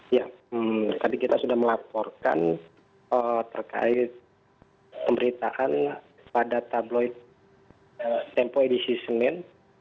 ya tadi kita sudah melaporkan terkait pemberitaan pada tabloid tempo edisi senin